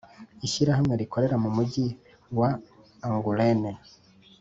ishyirahamwe rikorera mu mujyi wa angoulême